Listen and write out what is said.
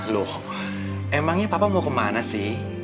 loh emangnya papa mau kemana sih